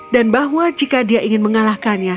dan bahwa jika dia ingin mengalahkannya